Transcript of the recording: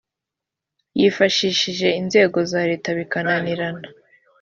yifashishije inzego za leta bikananirana